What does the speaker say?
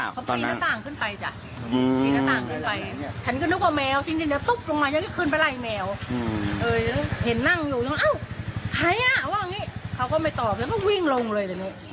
เขาก็ไม่ตอบแล้วก็วิ่งลงเลยแบบนี้เป็ดรอบกุญแจเลย